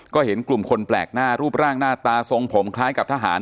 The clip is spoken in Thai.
ก็เห็นกลุ่มคนแปลกหน้ารูปร่างหน้าตาทรงผมคล้ายกับทหาร